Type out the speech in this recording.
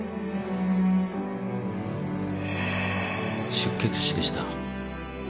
出血死でした。